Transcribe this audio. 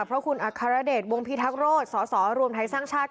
เพราะคุณอัครเดชวงพิทักษโรธสสรวมไทยสร้างชาติ